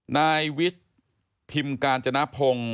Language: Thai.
นายวิชพิมพ์กาญจนพงศ์